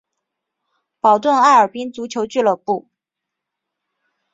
保顿艾尔宾足球俱乐部。